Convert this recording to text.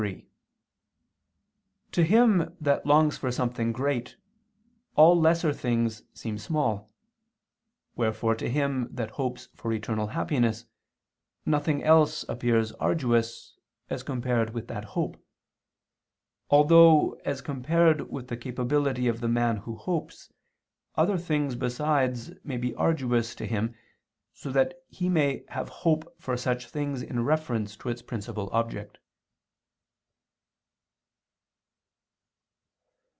3: To him that longs for something great, all lesser things seem small; wherefore to him that hopes for eternal happiness, nothing else appears arduous, as compared with that hope; although, as compared with the capability of the man who hopes, other things besides may be arduous to him, so that he may have hope for such things in reference to its principal object.